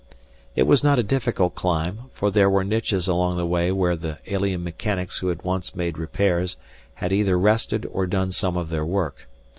It was not a difficult climb, for there were niches along the way where the alien mechanics who had once made repairs had either rested or done some of their work.